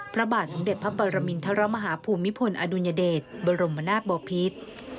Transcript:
พระบาทสมเด็จพระปรมินทรมาฮาภูมิพลอดุลยเดชบรมนาศบอพิษ